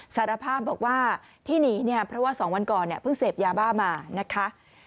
สารภาพบอกว่าที่หนีเนี่ยเพราะว่า๒วันก่อนเนี่ยเพิ่งเสพยาบ้ามานะคะ